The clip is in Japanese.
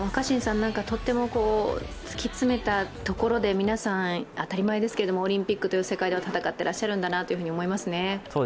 とっても突き詰めたところで皆さん、当たり前ですけどオリンピックという世界では戦っていらっしゃるんだなと思いますね。